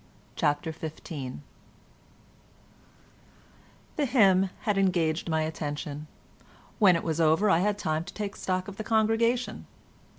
CHAPTER XV The hymn had engaged my attention; when it was over I had time to take stock of the congregation.